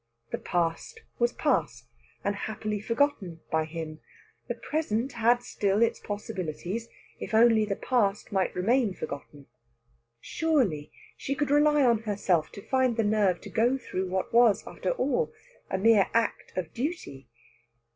The past was past, and happily forgotten by him. The present had still its possibilities, if only the past might remain forgotten. Surely she could rely on herself to find the nerve to go through what was, after all, a mere act of duty.